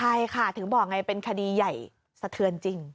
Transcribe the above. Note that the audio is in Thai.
ใช่ค่ะถึงบอกไงเป็นคดีใหญ่สะเทือนจริง